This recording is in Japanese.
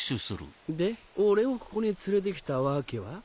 で俺をここに連れて来た訳は？